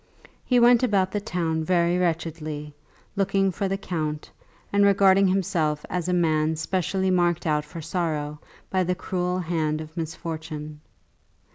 He went about the town very wretchedly, looking for the count, and regarding himself as a man specially marked out for sorrow by the cruel hand of misfortune.